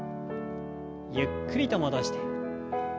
ゆっくりと戻して。